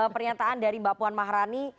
pernyataan dari mbak puan maharani